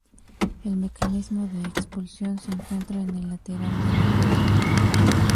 El mecanismo de expulsión se encuentra en el lateral derecho.